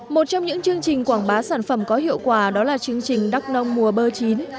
một trong những chương trình quảng bá sản phẩm có hiệu quả đó là chương trình đắk nông mùa bơ chín